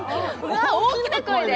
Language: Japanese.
わあ大きな声で？